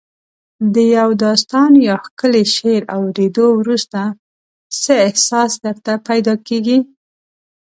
د یو داستان یا ښکلي شعر اوریدو وروسته څه احساس درته پیدا کیږي؟